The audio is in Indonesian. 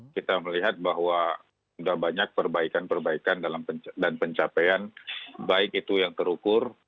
kita melihat bahwa sudah banyak perbaikan perbaikan dan pencapaian baik itu yang terukur